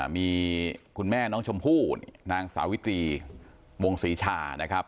มีคุณแม่น้องชมพู่นางสาวิตรีวงศรีชานะครับ